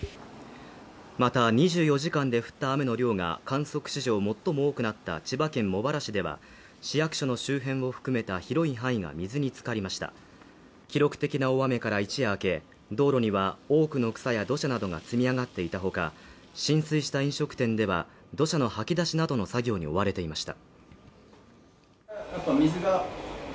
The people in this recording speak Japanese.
また２４時間で降った雨の量が観測史上最も多くなった千葉県茂原市では市役所の周辺も含めた広い範囲が水につかりました記録的な大雨から一夜明け道路には多くの草や土砂などが積み上がっていたほか浸水した飲食店では土砂の掃き出しなどの作業に追われていました